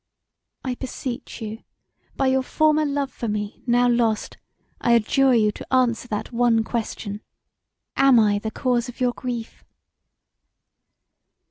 I beseech you; by your former love for me now lost, I adjure you to answer that one question. Am I the cause of your grief?"